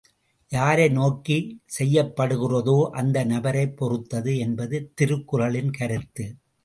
யாரை நோக்கிச் செய்யப்படுகிறதோ அந்த நபரைப் பொறுத்தது என்பது திருக்குறளின் கருத்து.